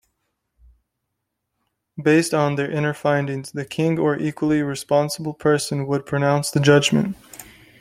Based on their findings, the king or equally responsible person would pronounce the judgment.